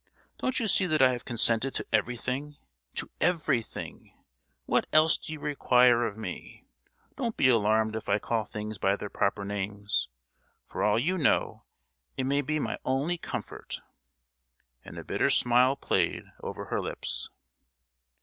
Don't you see that I have consented to everything—to everything? What else do you require of me? Don't be alarmed if I call things by their proper names! For all you know it may be my only comfort!" And a bitter smile played over her lips.